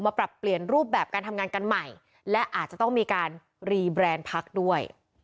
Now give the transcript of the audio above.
ปรับเปลี่ยนรูปแบบการทำงานกันใหม่และอาจจะต้องมีการรีแบรนด์พักด้วย